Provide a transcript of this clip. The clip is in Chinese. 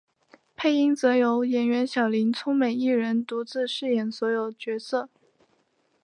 配音则由演员小林聪美一人独自饰演所有角色。